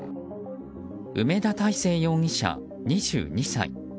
梅田大成容疑者、２２歳。